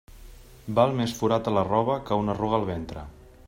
Val més forat a la roba que una arruga al ventre.